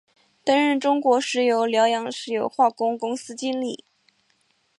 担任中国石油辽阳石油化工公司经理。